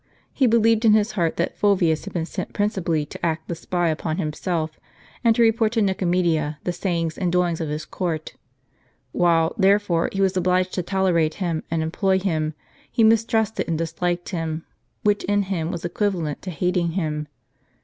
He believed in his heart that Fulviiis had been sent principally to act the spy upon himself, and to report to Nicomedia the sayings and doings of his court. While, therefore, he was obliged to tolerate him, and employ him, he mistrusted and disliked him, which in him was equivalent to hating him.